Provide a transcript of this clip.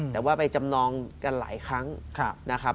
แต่ว่าไปจำนองกันหลายครั้งนะครับ